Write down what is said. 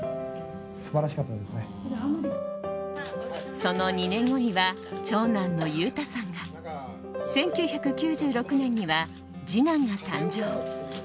その２年後には長男の裕太さんが１９９６年には次男が誕生。